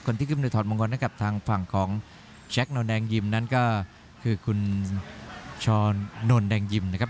ที่ขึ้นไปถอดมงคลให้กับทางฝั่งของแชคนแดงยิมนั้นก็คือคุณชรนนแดงยิมนะครับ